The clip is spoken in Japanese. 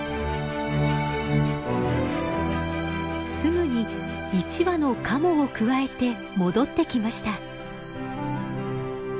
すぐに１羽のカモをくわえて戻ってきました。